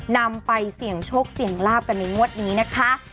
นำไปเสี่ยงโชคเสี่ยงลาบกันในงวดนี้นะคะ